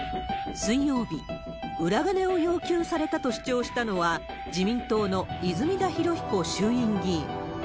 水曜日、裏金を要求されたと主張したのは、自民党の泉田裕彦衆院議員。